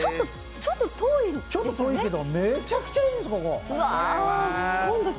ちょっと遠いですけど、めちゃくちゃいいんですよ。